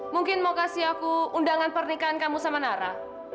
mungkin mau kasih aku undangan pernikahan kamu sama nara